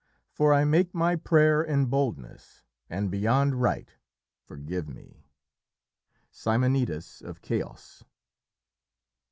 For that I make my prayer in boldness and beyond right, forgive me.'" Simonides of Keos.